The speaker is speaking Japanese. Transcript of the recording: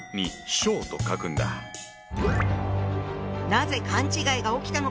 なぜ勘違いが起きたのか。